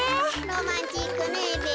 ロマンチックねべ。